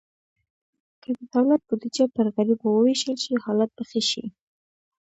که د دولت بودیجه پر غریبو ووېشل شي، حالت به ښه شي.